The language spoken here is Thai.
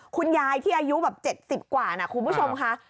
คุณยายที่อายุแบบ๗๐กว่านะคุณผู้ชมค่ะ